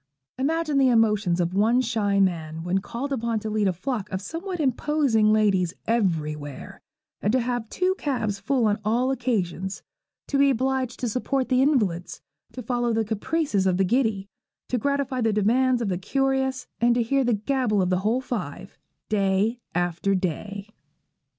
Imagine the emotions of one shy man when called upon to lead a flock of somewhat imposing ladies everywhere; to have two cabs full on all occasions; to be obliged to support the invalids to follow the caprices of the giddy, to gratify the demands of the curious, and to hear the gabble of the whole five day after day.